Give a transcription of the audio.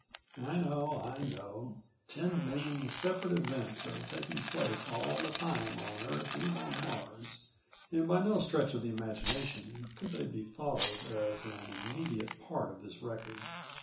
I know, I know. Ten million separate events are taking place all the time on Earth and on Mars and by no stretch of the imagination could they be thought of as an immediate part of this record.